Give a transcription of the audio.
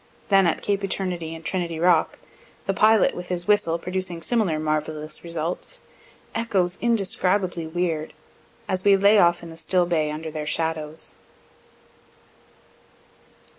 Then at cape Eternity and Trinity rock, the pilot with his whistle producing similar marvellous results, echoes indescribably weird, as we lay off in the still bay under their shadows.